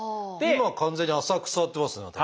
今完全に浅く座ってますね私ね。